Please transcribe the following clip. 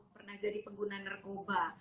pernah jadi pengguna narkoba